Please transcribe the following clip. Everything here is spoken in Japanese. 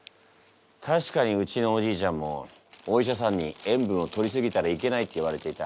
たしかにうちのおじいちゃんもお医者さんに塩分をとりすぎたらいけないって言われていた。